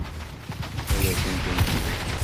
Ad akent-ten-yefk?